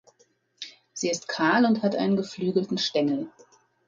Sie ist kahl und hat einen geflügelten Stängel.